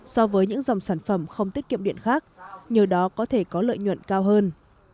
so với những dòng sản phẩm không tiết kiệm điện khác nhờ đó có thể có lợi nhuận cao hơn